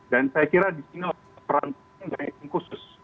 dan saya kira di sini perantin dari tim khusus